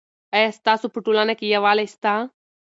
آیا ستاسو په ټولنه کې یووالی سته؟